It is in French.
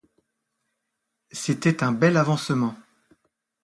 C’était un bel avancement.